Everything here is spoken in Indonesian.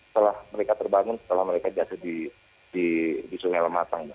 setelah mereka terbangun setelah mereka jasad di sungai lemakang mbak